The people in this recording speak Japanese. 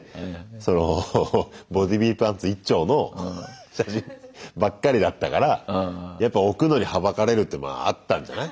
そのボディビパンツ１丁の写真ばっかりだったからやっぱ置くのに憚れるっていうのもあったんじゃない？